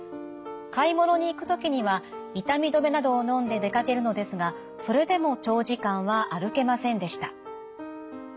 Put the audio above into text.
買い物に行く時には痛み止めなどをのんで出かけるのですがそれでも長時間は歩けませんでした。